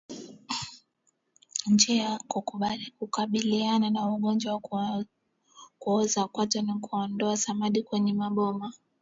Njia ya kukabiliana na ugonjwa wa kuoza kwato ni kuondoa samadi kwenye maboma